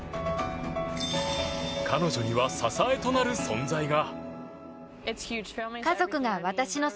彼女には支えとなる存在が。